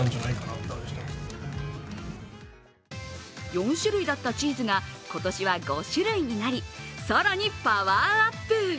４種類だったチーズが今年は５種類になり更にパワーアップ。